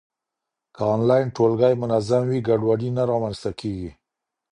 که انلاین ټولګی منظم وي، ګډوډي نه رامنځته کېږي.